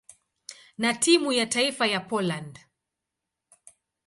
na timu ya taifa ya Poland.